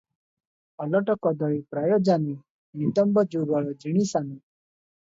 "ଓଲଟ କଦଳୀ ପ୍ରାୟ ଜାନୁ ନିତମ୍ବ ଯୁଗଳ ଜିଣି ସାନୁ ।"